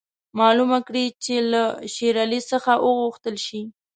معلومه کړي چې که له شېر علي څخه وغوښتل شي.